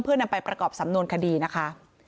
เพื่อนำไปประกอบสำนวนคดีนะคะ